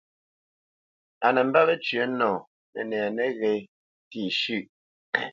A nə mbə́ wecyə̌ nɔ mənɛ nəghé tî shʉ̂ʼ.